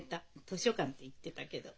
図書館って言ってたけど。